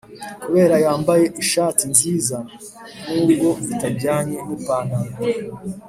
kabera yambaye ishati nziza nubwo itajyanye ni pantalo